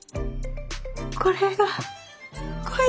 これが恋？